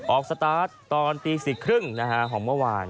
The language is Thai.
ออกสตาร์ทตอนปี๑๐๓๐ของเมื่อวาน